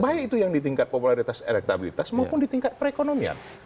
baik itu yang di tingkat popularitas elektabilitas maupun di tingkat perekonomian